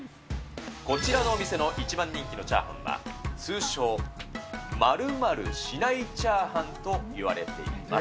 こちらのお店の一番人気のチャーハンは、通称、○○しないチャーハンといわれています。